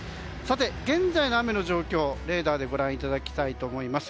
現在の雨の状況をレーダーでご覧いただきたいと思います。